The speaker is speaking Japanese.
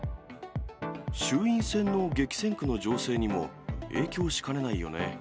衆院選の激戦区の情勢にも影響しかねないよね。